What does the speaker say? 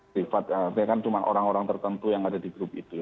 privat ya kan cuma orang orang tertentu yang ada di grup itu